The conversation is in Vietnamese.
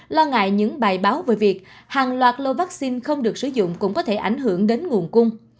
lo ngại những bài báo về việc hàng loạt lô vaccine không được sử dụng cũng có thể ảnh hưởng đến nguồn cung